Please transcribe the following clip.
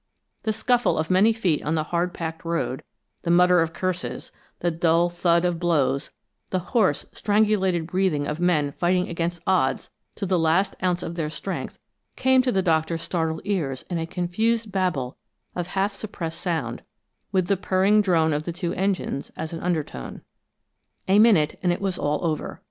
The scuffle of many feet on the hard packed road, the mutter of curses, the dull thud of blows, the hoarse, strangulated breathing of men fighting against odds to the last ounce of their strength, came to the Doctor's startled ears in a confused babel of half suppressed sound, with the purring drone of the two engines as an undertone. A minute, and it was all over.